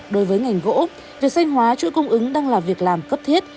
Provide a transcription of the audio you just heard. đối với ngành gỗ việc sanh hóa chuỗi cung ứng đang là việc làm cấp thiết